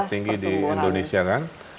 tertinggi di indonesia kan